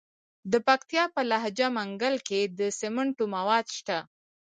د پکتیا په لجه منګل کې د سمنټو مواد شته.